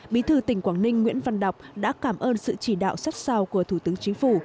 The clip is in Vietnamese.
bí thư tỉnh quảng ninh nguyễn văn đọc đã cảm ơn sự chỉ đạo sát sao của thủ tướng chính phủ